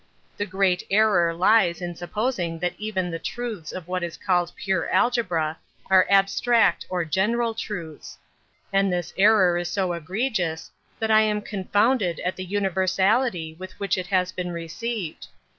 The great error lies in supposing that even the truths of what is called pure algebra, are abstract or general truths. And this error is so egregious that I am confounded at the universality with which it has been received.